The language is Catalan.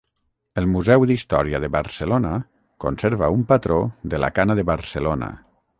El Museu d'Història de Barcelona conserva un patró de la cana de Barcelona.